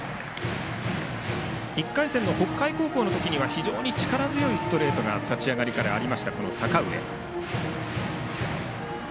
１回戦の北海高校のときには非常に力強いストレートが立ち上がりからありました、この阪上。